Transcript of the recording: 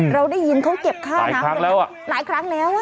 เราได้ยินเขาเก็บค่าน้ำไปแล้วหลายครั้งแล้ว